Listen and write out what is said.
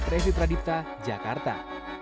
revit radipta jakarta